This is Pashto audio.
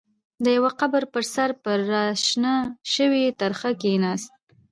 د يوه قبر پر سر پر را شنه شوې ترخه کېناسته.